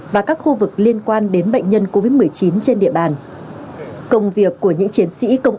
và các khu vực liên quan đến bệnh nhân covid một mươi chín trên địa bàn công việc của những chiến sĩ công